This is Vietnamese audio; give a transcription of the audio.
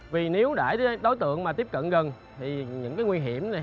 vì nếu để đối tượng tiếp cận gần thì những nguy hiểm này